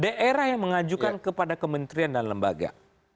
daerah yang mengajukan kepada kementerian dan lembaga